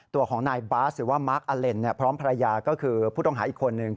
ตัวของนายบาสหรือว่ามาร์คอเลนพร้อมภรรยาก็คือผู้ต้องหาอีกคนนึง